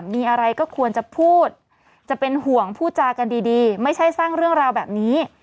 มีอะไรก็ควรจะพูดจะเป็นห่วงพูดจากันดีไม่ใช่สร้างเรื่องราวแบบนี้